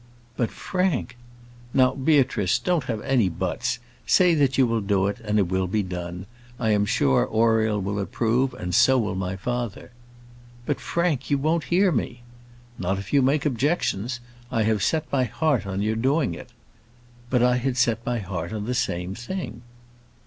"But, Frank " "Now, Beatrice, don't have any buts; say that you will do it, and it will be done: I am sure Oriel will approve, and so will my father." "But, Frank, you won't hear me." "Not if you make objections; I have set my heart on your doing it." "But I had set my heart on the same thing."